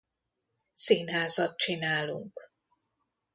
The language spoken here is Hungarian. Színházat csinálunk.